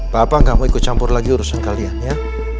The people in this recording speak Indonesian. papa gak mau ikut campur lagi urusan kalian ya